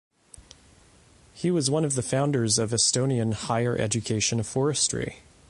He was one of the founders of Estonian higher education of forestry.